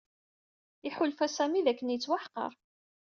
Iḥulfa Sami dakken yettwaḥqer.